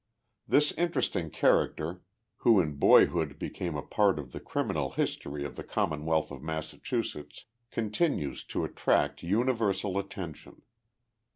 This interesting character, who in boyhood became a part of the criminal history of the Commonwealth of Massachusetts, con tinues to attract universal attention.